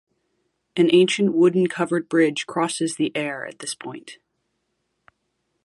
An ancient wooden covered bridge crosses the Aare at this point.